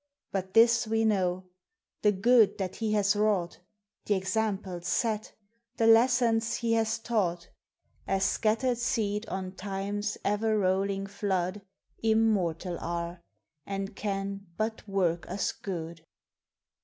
But this we know: The good that he has wrought, Th' examples set, the lessons he has taught, As scattered seed on Time's e'er rolling flood Immortal are, and can but work us good.